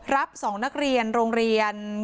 รับ๒นักเรียนโรงเรียน